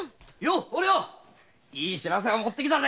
お涼いい知らせ持ってきたぜ。